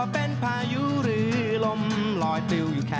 สนุนโดยอีซุสุข